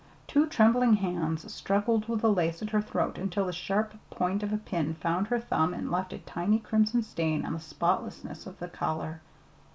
Two trembling hands struggled with the lace at her throat until the sharp point of a pin found her thumb and left a tiny crimson stain on the spotlessness of the collar.